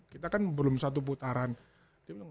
kita kan belum satu putaran